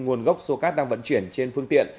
nguồn gốc số cát đang vận chuyển trên phương tiện